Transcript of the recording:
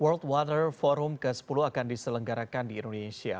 world water forum ke sepuluh akan diselenggarakan di indonesia